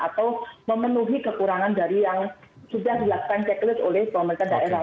atau memenuhi kekurangan dari yang sudah dilakukan checklist oleh pemerintah daerah